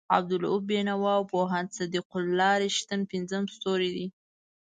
عبالرؤف بېنوا او پوهاند صدیق الله رښتین پنځم ستوری دی.